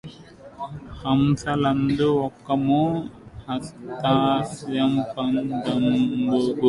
హంసలందు బకము హాస్యాస్పదంబగు